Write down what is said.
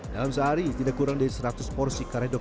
dalam sehari tidak kurang dari seratus porsi karedok